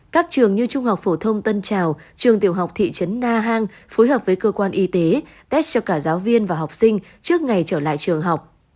các trường như trung học phổ thông tân trào trường tiểu học thị trấn na hàng phối hợp với cơ quan y tế test cho cả giáo viên và học sinh trước ngày trở lại trường học